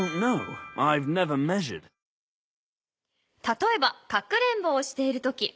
たとえばかくれんぼをしているとき。